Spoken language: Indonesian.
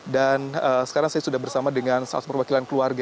dan sekarang saya sudah bersama dengan salah satu perwakilan keluarga